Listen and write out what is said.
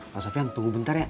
pak sofyan tunggu bentar ya